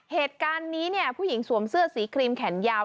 เหตุการณ์นี้เนี่ยผู้หญิงสวมเสื้อสีครีมแขนยาว